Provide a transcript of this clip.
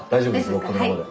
僕このままで。